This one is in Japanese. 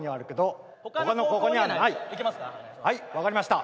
はい分かりました。